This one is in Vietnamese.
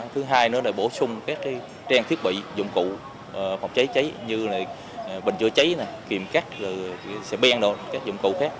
thứ hai là bổ sung các trang thiết bị dụng cụ phòng cháy cháy như bình chữa cháy kiềm cắt xe ben các dụng cụ khác